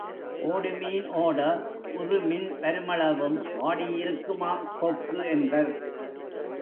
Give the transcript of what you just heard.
ஓடுமீன் ஓட உறுமின் வருமளவும் வாடி இருக்குமாம் கொக்கு என்பர்.